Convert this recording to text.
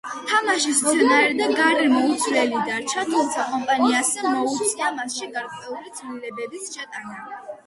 თამაშის სცენარი და გარემო უცვლელი დარჩა, თუმცა კომპანიას მოუწია მასში გარკვეული ცვლილებების შეტანა.